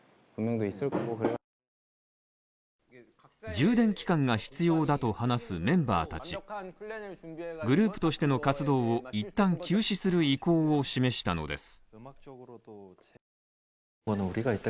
充電期間が必要だと話すメンバーたちグループとしての活動をいったん休止する意向を示したのです。